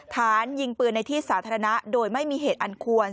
ฐานยิงปืนในที่สาธารณะโดยไม่มีเหตุอันควร